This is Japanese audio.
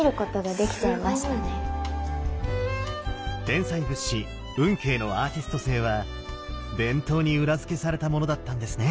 天才仏師運慶のアーティスト性は伝統に裏付けされたものだったんですね。